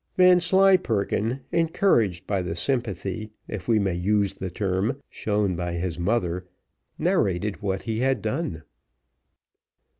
Vanslyperken, encouraged by the sympathy, if we may use the term, shown by his mother, narrated what he had done.